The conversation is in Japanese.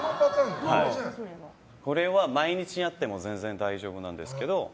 これは毎日やっても全然、大丈夫なんですけど。